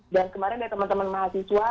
dan kemarin ada teman teman mahasiswa